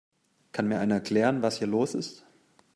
Kann mir einer erklären, was hier los ist?